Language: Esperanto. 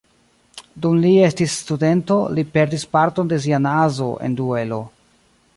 Dum li estis studento, li perdis parton de sia nazo en duelo.